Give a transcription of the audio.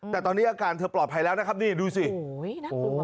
แต่ตอนนี้อาการเธอปลอดภัยแล้วนะครับนี่ดูสิโห